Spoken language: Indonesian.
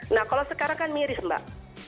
nah kalau sekarang kan miris mbak